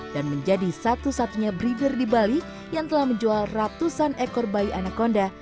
dan menjadi satu satunya breeder di bali yang telah menjual ratusan ekor bayi anaconda